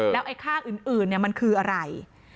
แล้วไอ้ค่าอื่นเนี่ยมันคืออะไร